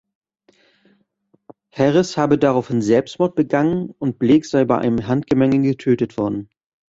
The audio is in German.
Harris habe daraufhin Selbstmord begangen und Blake sei bei einem Handgemenge getötet worden.